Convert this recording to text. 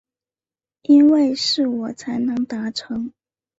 因为是我才能达成